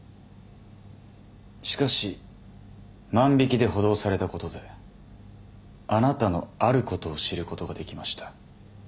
しかし万引きで補導されたことであなたのあることを知ることができました。